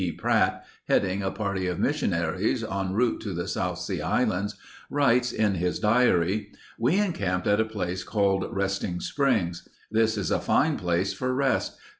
Pratt, heading a party of missionaries en route to the South Sea Islands writes in his diary: "We encamped at a place called Resting Springs.... This is a fine place for rest....